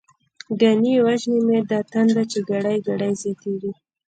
گڼی وژنی می دا تنده، چی گړی گړی زیاتتیږی